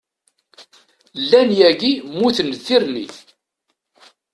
Llan yagi mmuten d tirni.